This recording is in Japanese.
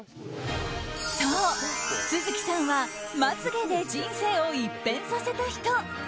そう、續さんはまつ毛で人生を一変させた人。